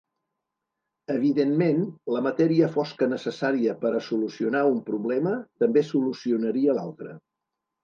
Evidentment, la matèria fosca necessària per a solucionar un problema també solucionaria l'altre.